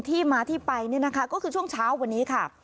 ที่มาที่ไปเนี่ยนะคะก็คือช่วงเช้าวันนี้ค่ะ